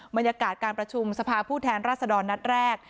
บรรยากาศการประชุมสภาผู้แทนรัศดรนัดแรก